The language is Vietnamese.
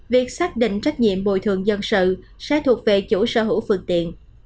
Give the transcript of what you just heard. việc xác định trách nhiệm bồi thường dân sự sẽ thuộc về chủ sở hữu phương tiện